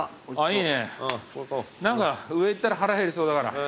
上行ったら腹減りそうだから。